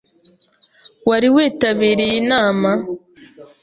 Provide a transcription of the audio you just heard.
Wari witabiriye inama?